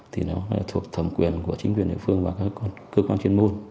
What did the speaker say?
thuộc thẩm quyền của chính quyền địa phương và các cơ quan chuyên môn